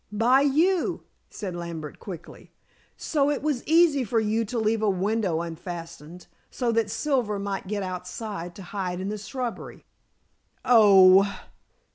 "By you," said Lambert quickly. "So it was easy for you to leave a window unfastened, so that Silver might get outside to hide in the shrubbery." "Oh!"